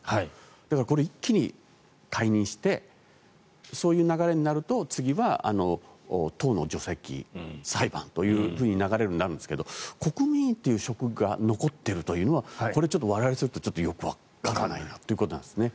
だからこれ、一気に解任してそういう流れになると次は党の除籍裁判という流れになるんですが国務委員という職が残っているというのはこれは我々はよくわからないなということなんです。